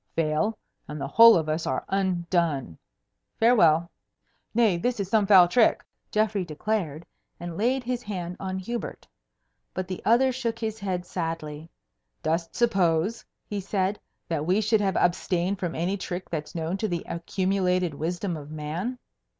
Fail, and the whole of us are undone. Farewell." "Nay, this is some foul trick," Geoffrey declared, and laid his hand on Hubert. But the other shook his head sadly. "Dost suppose," he said, "that we should have abstained from any trick that's known to the accumulated wisdom of man?